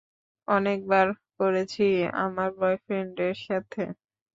অনেকবার করেছি, আমার বয়ফ্রেন্ডের সাথে।